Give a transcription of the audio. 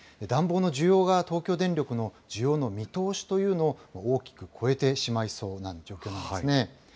暖房の需要が、東京電力の需要の見通しというのを、大きく超えてしまいそうな状況なんですね。